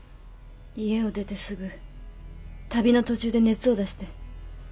家を出てすぐ旅の途中で熱を出して。